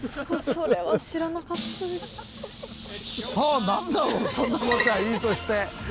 そんな事はいいとして。